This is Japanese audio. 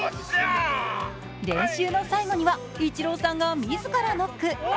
練習の最後にはイチローさんが自らノック。